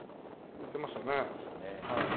言ってましたね。